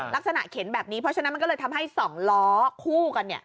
ลักษณะเข็นแบบนี้เพราะฉะนั้นมันก็เลยทำให้๒ล้อคู่กัน